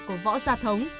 của võ gia thống